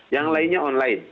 yang lainnya online